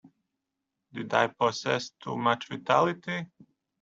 Did I possess too much vitality.